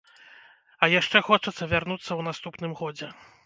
А яшчэ хочацца вярнуцца ў наступным годзе.